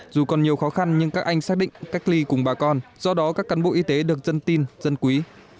dù còn nhiều khó khăn nhưng các anh xác định cách ly cùng bà con do đó các cán bộ y tế được dân tin dân quý